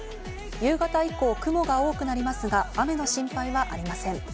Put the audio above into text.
夕方以降、雲が多くなりますが、雨の心配はありません。